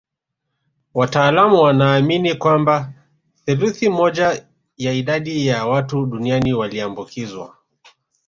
Wataalamu wanaamini kwamba theluthi moja ya idadi ya watu duniani waliambukizwa